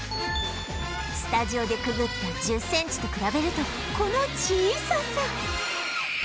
スタジオでくぐった１０センチと比べるとこの小ささ